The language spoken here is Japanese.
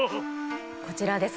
こちらです。